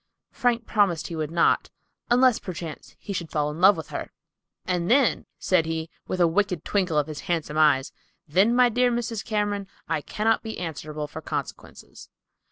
Frank promised he would not, unless perchance he should fall in love with her, "And then," said he, with a wicked twinkle of his handsome hazel eyes, "then, my dear Mrs. Cameron, I cannot be answerable for consequences."